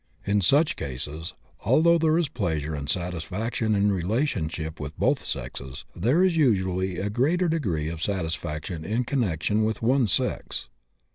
In such cases, although there is pleasure and satisfaction in relationships with both sexes, there is usually a greater degree of satisfaction in connection with one sex.